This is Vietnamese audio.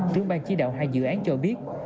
trướng ban chí đạo hai dự án cho biết